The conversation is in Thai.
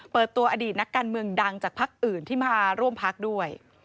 เปิดตัวอดีตนักการเมืองดังจากพักอื่นที่มาร่วมพักด้วย